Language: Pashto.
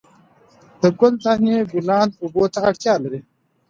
د ګل دانۍ ګلان اوبو ته اړتیا لري.